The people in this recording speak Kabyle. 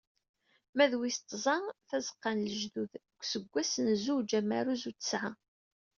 Ma d wis tẓa "Tazeqqa n lejdud" deg useggas zuǧ amaruz u tesεa.